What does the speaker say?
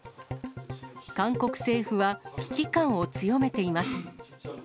韓国政府は危機感を強めています。